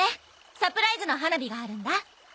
サプライズの花火があるんだ。